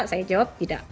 saya jawab tidak